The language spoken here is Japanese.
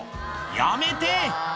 やめて！